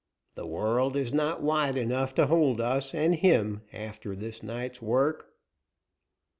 The world is not wide enough to hold us and him, after this night's work."